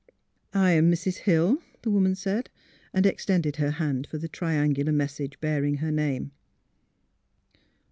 " I am Mrs. Hill," the woman said, and ex tended her hand for the triangular message bear ing her name.